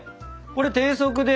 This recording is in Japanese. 低速で。